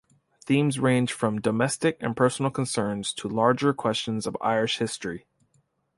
Themes range from domestic and personal concerns to larger questions of Irish history.